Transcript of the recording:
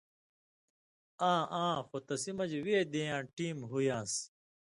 آں آں خو تسی مہ وے دیں یاں ٹیم ہُویان٘س